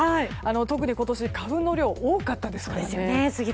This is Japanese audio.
特に今年花粉の量多かったですからね。